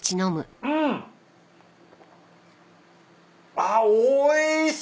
あっおいしい！